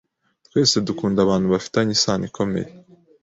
twese dukunda abantu bafitanye isano ikomeye